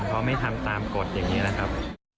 เพราะไม่ทำตามกฎอย่างนี้นะครับ